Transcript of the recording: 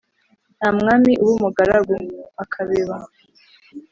Nta mwami uba umugaragu (akabeba).